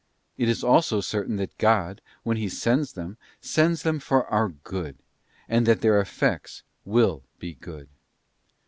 It is also certain that God, when He sends them, sends them for our good, and that their effects will be good.